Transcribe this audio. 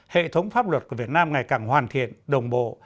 hệ thống pháp luật của việt nam ngày càng hoàn thiện đồng bộ